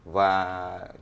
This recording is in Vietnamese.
và chúng ta